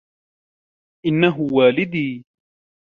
إنه والدي.